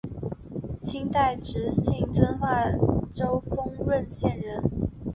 清代直隶遵化州丰润县人。